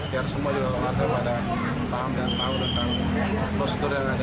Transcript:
biar semua juga daripada paham dan tahu tentang prosedur yang ada